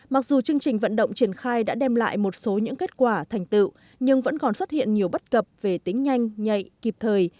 mặc dù chương trình vận động triển khai đã đem lại một số những kết quả thành tựu nhưng vẫn còn xuất hiện nhiều bất cập về tính nhanh nhạy kịp thời